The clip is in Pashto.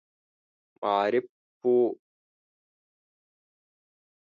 معارف پوه اوسي.